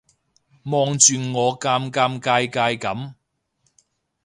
望住我尷尷尬尬噉